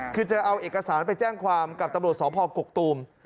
คือจะเอาเอกสารไปแจ้งความกับตำรวจสพกกตูม